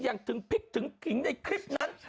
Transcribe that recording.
ถึงพลิกถึงขิงในคลิปนั้น